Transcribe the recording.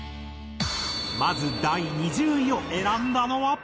まず第２０位を選んだのは。